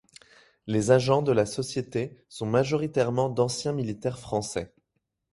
Les agents de la société sont majoritairement d'anciens militaires français.